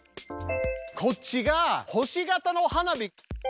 こっちが星形の花火。